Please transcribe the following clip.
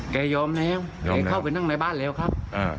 ยอมแล้วแกเข้าไปนั่งในบ้านแล้วครับ